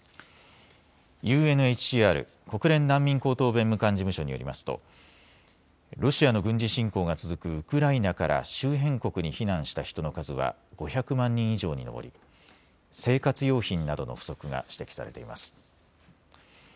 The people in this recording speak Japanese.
ＵＮＨＣＲ・国連難民高等弁務官事務所によりますとロシアの軍事侵攻が続くウクライナから周辺国に避難した人の数は５００万人以上に上り、生活用品などの不足が指摘されています。